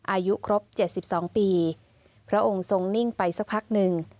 อายุครบ๗๒ปีพระองค์ทรงนิ่งไปสักพักหนึ่ง